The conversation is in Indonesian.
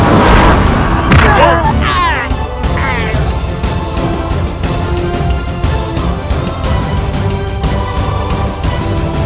terus kenapa kalian masih di sini